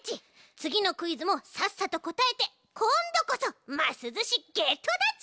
つぎのクイズもさっさとこたえてこんどこそますずしゲットだち！